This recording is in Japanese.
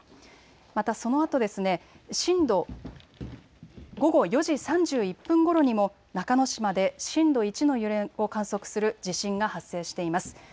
また、そのあと午後４時３１分ごろにも中之島で震度１の揺れを観測する地震が発生しています。